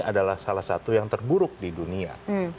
adalah salah satu yang terburuk di dunia